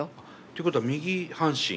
ということは右半身？